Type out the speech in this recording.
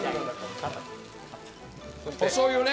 おしょうゆね。